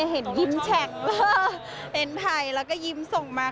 เห็นยิ้มแช่งเพื่อเห็นถ่ายแล้วก็ยิ้มส่งมา